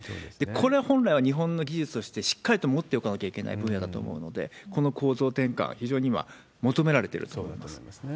これ、本来は日本の技術としてしっかりと持っておかなきゃいけない分野だと思うので、この構造転換、非常に今、そうですね。